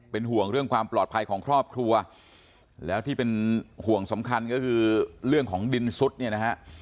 เป็นห่วงเรื่องความปลอดภัยของครอบครัวแล้วที่เป็นห่วงสำคัญก็คือเรื่องของดินซุดเนี่ยนะฮะ